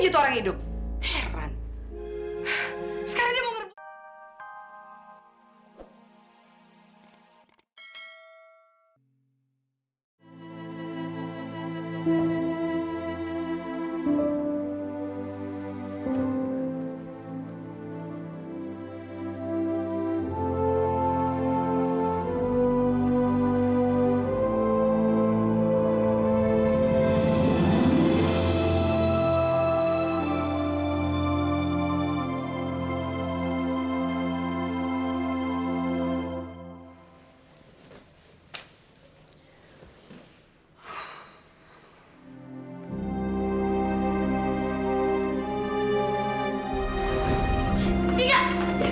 dika dika lepasin